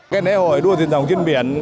cái nễ hội đua thuyền rồng trên biển